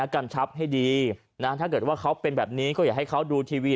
กำชับให้ดีนะถ้าเกิดว่าเขาเป็นแบบนี้ก็อยากให้เขาดูทีวี